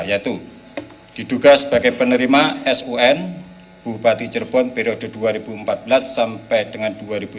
yaitu diduga sebagai penerima sun bupati cirebon periode dua ribu empat belas sampai dengan dua ribu sembilan belas